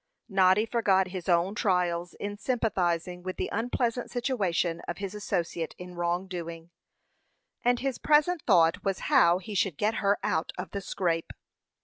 Noddy forgot his own trials in sympathizing with the unpleasant situation of his associate in wrongdoing, and his present thought was how he should get her out of the scrape.